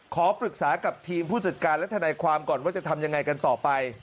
ขอปรึกษากับทีมผู้จัดการและทนายความก่อนว่าจะทำยังไงกันต่อไป